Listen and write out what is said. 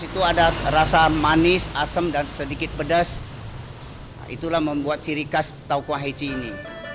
itu ada rasa manis asem dan sedikit pedas itulah membuat ciri khas taukuah heci ini